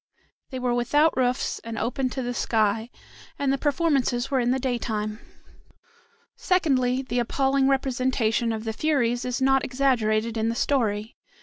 They were without roofs and open to the sky, and the performances were in the daytime. Secondly, the appalling representation of the Furies is not exaggerated in the story.